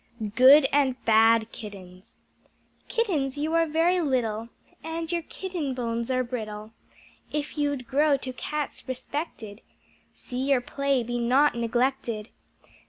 Good and Bad Kittens Kittens, you are very little, And your kitten bones are brittle, If you'd grow to Cats respected, See your play be not neglected.